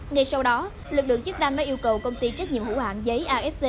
ngay sau đó lực lượng chức năng đã yêu cầu công ty trách nhiệm hữu hạn giấy afc